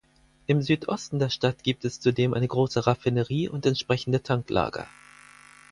Im Südosten der Stadt gibt es zudem eine große Raffinerie und entsprechende Tanklager.